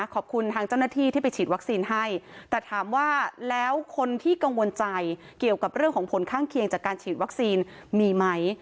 ขอบคุณทางเจ้าหน้าที่ที่ไปฉีดวัคซีนให้แต่ถามว่าแล้วคนที่กังวลใจเกี่ยวกับเรื่องของผลข้างเคียงจากการฉีดวัคซีนมีไหม